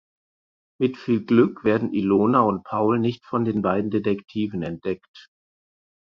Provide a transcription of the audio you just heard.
Mit viel Glück werden Ilona und Paul nicht von den beiden Detektiven entdeckt.